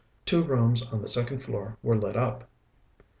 Two rooms on the second floor were lit up.